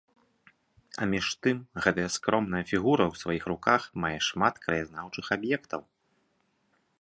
А між тым гэта скромная фігура ў сваіх руках мае шмат краязнаўчых аб'ектаў.